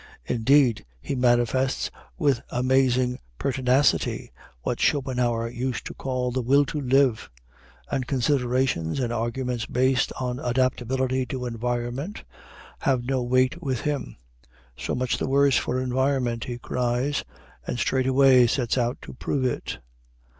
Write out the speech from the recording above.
Indeed, he manifests with amazing pertinacity what Schopenhauer used to call "the will to live," and considerations and arguments based on adaptability to environment have no weight with him. So much the worse for environment, he cries; and straightway sets out to prove it.